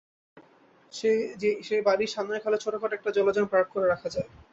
সেই বাড়ির সামনের খালে ছোটখাটো একটা জলযান পার্ক করে রাখা যায়।